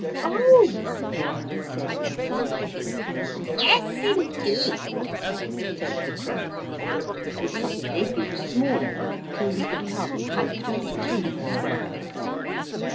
'Oh!' said Elsie. 'Yes, indeed,' said the Crow, and suddenly grew smaller till he could come comfortably through the square opening.